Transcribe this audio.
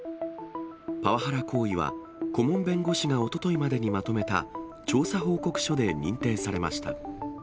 パワハラ行為は、顧問弁護士がおとといまでにまとめた調査報告書で認定されました。